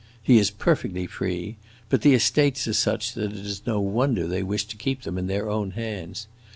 He is perfectly free; but the estates are such that it is no wonder they wish to keep them in their own hands.